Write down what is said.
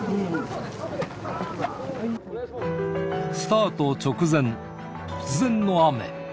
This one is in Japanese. スタート直前、突然の雨。